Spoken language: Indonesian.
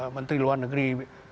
menteri luar negeri